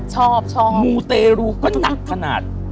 ชอบชอบมูเตรูก็หนักขนาด